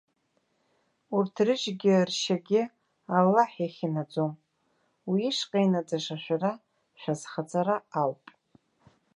Урҭ рыжьгьы ршьагьы Аллаҳ иахь инаӡом, уи ишҟа инаӡаша шәара шәазхаҵара ауп.